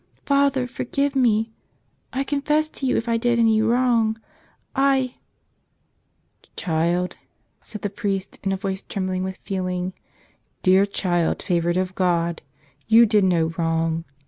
"Father, forgive me. . I confess to you if I did any wrong. I " "Child," said the priest in a voice trembling with feeling, "dear child favored of God, you did no wrong.